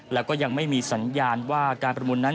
แล้วก็ยังไม่มีสัญญาณว่าการประมูลนั้น